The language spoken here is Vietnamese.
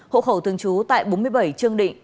hộ khẩu thường trú tại bốn mươi bảy trương định